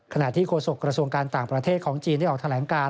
ที่โฆษกระทรวงการต่างประเทศของจีนได้ออกแถลงการ